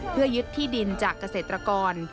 เพื่อยึดที่ดินจากเกษตรกร